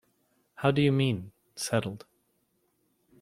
How do you mean, settled?